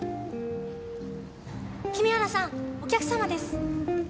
君原さんお客様です。